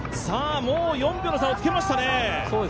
もう４秒の差をつけましたね。